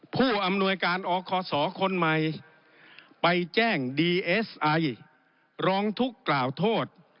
ผู้อำนวยการอคศคนใหม่ไปแจ้งดีเอสไอร้องทุกข์กล่าวโทษ